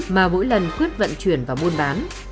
mà mỗi lần quyết vận chuyển vào muôn bán